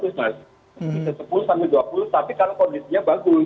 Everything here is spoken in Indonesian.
kita sepuluh sampai dua puluh tapi kalau kondisinya bagus